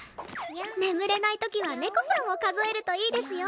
眠れない時は猫さんを数えるといいですよ！